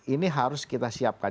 ini harus kita siapkan